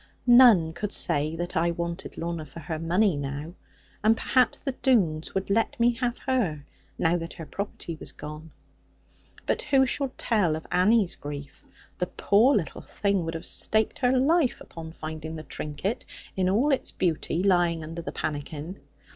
None could say that I wanted Lorna for her money now. And perhaps the Doones would let me have her; now that her property was gone. But who shall tell of Annie's grief? The poor little thing would have staked her life upon finding the trinket, in all its beauty, lying under the pannikin.